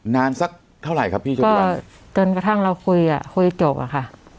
นานสักเท่าไหร่ครับพี่จนกระทั่งเราคุยอ่ะคุยจบอ่ะค่ะ